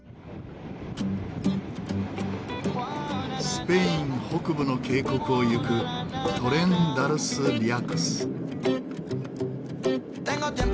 スペイン北部の渓谷を行くトレン・ダルス・リャクス。